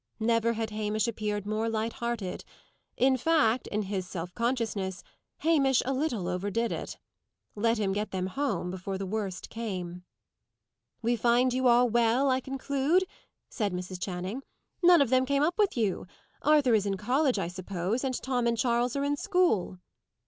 Never had Hamish appeared more light hearted. In fact, in his self consciousness, Hamish a little overdid it. Let him get them home before the worst came! "We find you all well, I conclude!" said Mrs. Channing. "None of them came up with you! Arthur is in college, I suppose, and Tom and Charles are in school."